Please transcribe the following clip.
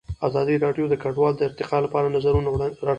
ازادي راډیو د کډوال د ارتقا لپاره نظرونه راټول کړي.